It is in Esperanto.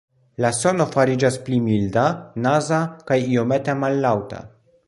La sono fariĝas pli milda, "naza" kaj iomete mallaŭta.